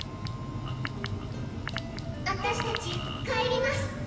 私たち帰ります。